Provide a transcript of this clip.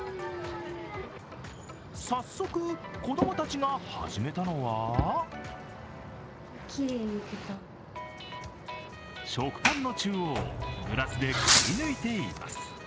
早速、子供たちが始めたのは食パンの中央をグラスでくりぬいています。